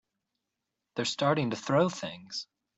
They're starting to throw things!